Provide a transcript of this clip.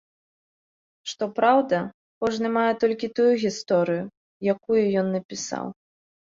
Што праўда, кожны мае толькі тую гісторыю, якую ён напісаў.